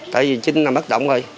tại vì chính là bất động rồi